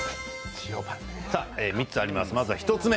３つあります、まずは１つ目。